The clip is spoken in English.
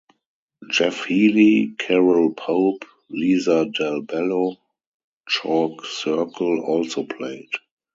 Jeff Healey, Carole Pope, Lisa Dalbello, Chalk Circle also played.